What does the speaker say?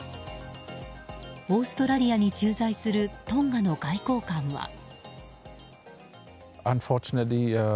オーストラリアに駐在するトンガの外交官は。